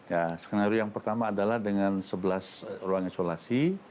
ya skenario yang pertama adalah dengan sebelas ruang isolasi